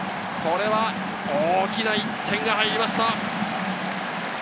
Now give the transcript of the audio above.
大きな１点が入りました！